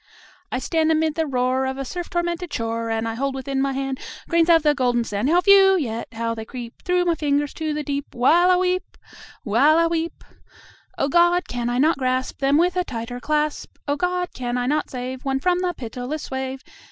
I stand amid the roar Of a surf tormented shore, And I hold within my hand Grains of the golden sand How few! yet how they creep Through my fingers to the deep While I weep while I weep! O God! can I not grasp Them with a tighter clasp? O God! can I not save One from the pitiless wave?